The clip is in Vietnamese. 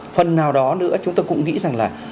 phần nào đó nữa chúng tôi cũng nghĩ rằng là